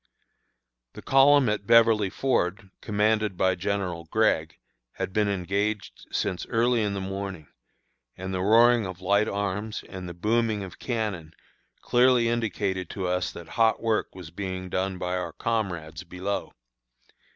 The column at Beverly Ford, commanded by General Gregg, had been engaged since early in the morning, and the roaring of light arms and the booming of cannon clearly indicated to us that hot work was being done by our comrades below.